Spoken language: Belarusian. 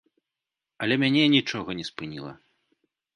Але мяне нічога не спыніла.